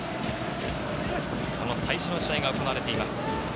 その最初の試合が行われています。